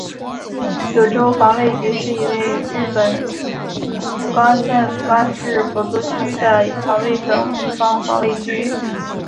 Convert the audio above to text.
九州防卫局是一位于日本福冈县福冈市博多区的防卫省地方防卫局。